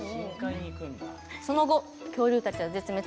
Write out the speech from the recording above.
その後、恐竜たちは絶滅。